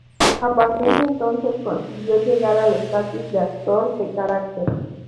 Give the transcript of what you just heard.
A partir de entonces consiguió llegar al estatus de actor de carácter.